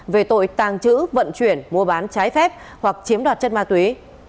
về tội tàng trữ vận chuyển mua bán trái phép hoặc chiếm đoạt chất ma túy